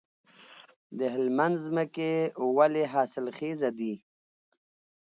د هلمند ځمکې ولې حاصلخیزه دي؟